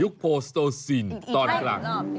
ยุคโพสโตซีนตอนอีกรั้ง